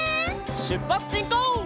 しゅっぱつしんこう！